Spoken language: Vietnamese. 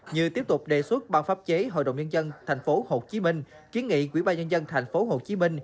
như tiếp tục đề xuất ban pháp chế hội đồng nhân dân tp hcm kiến nghị quỹ ba nhân dân tp hcm